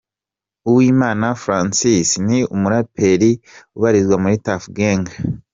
Uwimana Francis, ni umuraperi ubarizwa muri Tuff Gang .